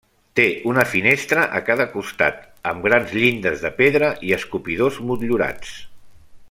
Té una finestra a cada costat amb grans llindes de pedra i escopidors motllurats.